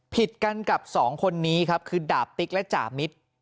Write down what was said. ผิดกันกับสองคนนี้ครับคือดาบติ๊กและจ่ามิตร